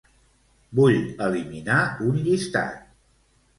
Vull eliminar un llistat.